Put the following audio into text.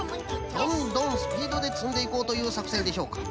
どんどんスピードでつんでいこうというさくせんでしょうか。